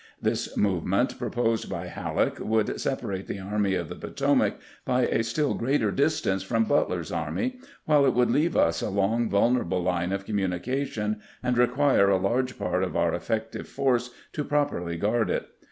This movement proposed by Halleck would separate the Army of the Potomac by a still greater distance from Butler's army, while it would leave us a long vulnerable line of communication, and 182 SUFFEEINGS AT THE FKONT 183 require a large part of our effective force to properly guard it.